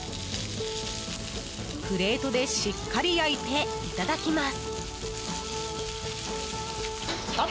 プレートでしっかり焼いていただきます。